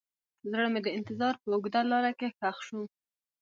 زړه مې د انتظار په اوږده لاره کې ښخ شو.